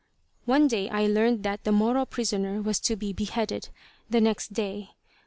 "One day I learned that the Moro prisoner was to be beheaded the next day.